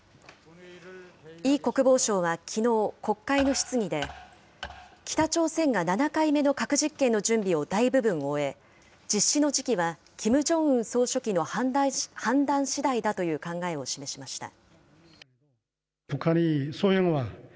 イ国防相はきのう、国会の質疑で北朝鮮が７回目の核実験の準備を大部分終え、実施の時期はキム・ジョンウン総書記の判断しだいだという考えを示しました。